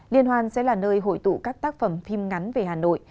liên hoan sẽ là nơi hội tụ các tác phẩm phim ngắn về hà nội